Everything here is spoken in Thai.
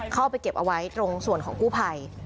เข้าไปเก็บเอาไว้ตรงส่วนของกู้ภัย